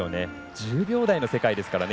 １０秒台の世界ですからね。